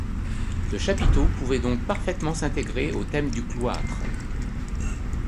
Ce chapiteau pouvait donc parfaitement s'intégrer au thème du cloître.